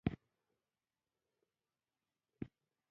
زه هېڅکله هم د غني تقوی د نقد وړ نه بولم.